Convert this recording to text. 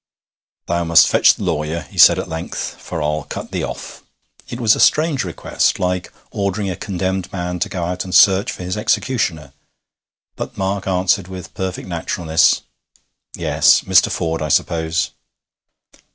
'Thou must fetch th' lawyer,' he said at length, 'for I'll cut thee off.' It was a strange request like ordering a condemned man to go out and search for his executioner; but Mark answered with perfect naturalness: 'Yes. Mr. Ford, I suppose?'